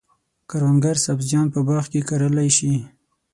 کروندګر سبزیان په باغ کې کرلای شي.